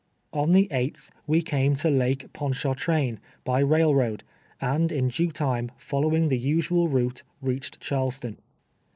On the Sth we came to Lake Pontchartrain, by rail road, and, in due time, following the usual route, reached Charleston.